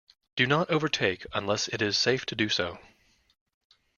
Do not overtake unless it is safe to do so.